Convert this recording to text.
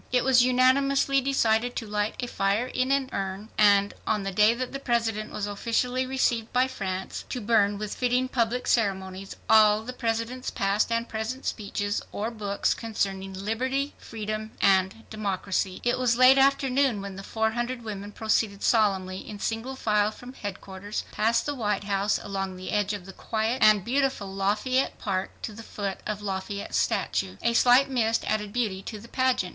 It was unanimously decided to light a fire in an urn, and, on the day that the President was officially received by France, to burn with fitting public ceremonies all the President's past and present speeches or books concerning "liberty", "freedom" and "democracy." It was late afternoon when the four hundred women proceeded solemnly in single file from headquarters, past the White House, along the edge of the quiet and beautiful Lafayette Park, to the foot of Lafayette's statue. A slight mist added beauty to the pageant.